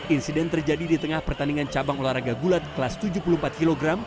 insiden terjadi di tengah pertandingan cabang olahraga gulat kelas tujuh puluh empat kg